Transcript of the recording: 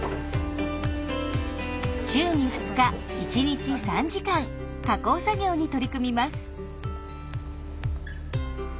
週に２日１日３時間加工作業に取り組みます。